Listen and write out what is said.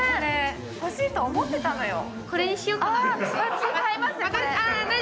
欲しいと思ってたのよ。